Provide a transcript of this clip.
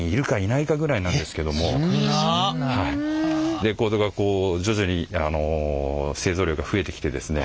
レコードがこう徐々に製造量が増えてきてですね